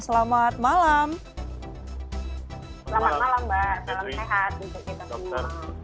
selamat malam mbak salam sehat untuk kita semua